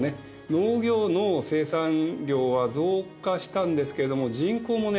農業の生産量は増加したんですけれども人口もね